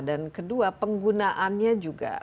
dan kedua penggunaannya juga